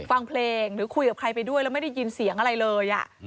ฟังเพลงหรือคุยกับใครไปด้วยแล้วไม่ได้ยินเสียงอะไรเลย